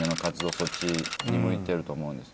そっちに向いてると思うんですよね。